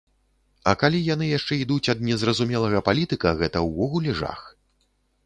А калі яны яшчэ ідуць ад незразумелага палітыка, гэта ўвогуле жах.